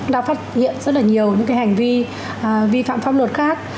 đã phát hiện rất là nhiều những cái hành vi vi phạm pháp luật khác